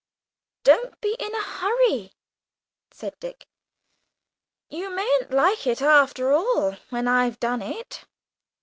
"Don't be in a hurry," said Dick, "you mayn't like it after all when I've done it."